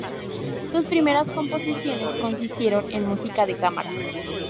Sus primeras composiciones consistieron en música de cámara